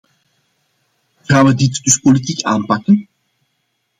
Hoe gaan we dit dus politiek aanpakken?